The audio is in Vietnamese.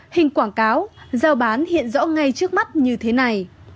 hình quảng cáo giao bán hiện rõ ngay trên mạng trung cấp